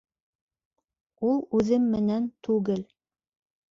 Ул үҙем менән түгел.